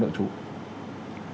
điều trị nội trú